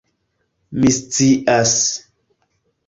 "Mi scias."